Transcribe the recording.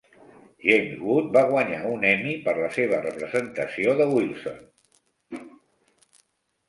James Wood va guanyar un Emmy per la seva representació de Wilson.